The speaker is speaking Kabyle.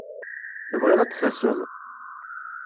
Tebɣiḍ ad d-taseḍ?